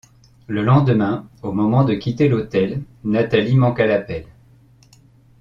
Le lendemain, au moment de quitter l'hôtel, Natalee manque à l'appel.